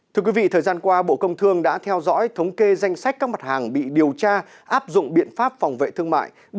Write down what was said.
thưa quý vị thời gian qua bộ công thương đã theo dõi thống kê danh sách các mặt hàng bị điều tra áp dụng biện pháp phòng vệ thương mại